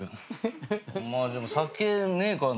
まあでも酒ねえからな。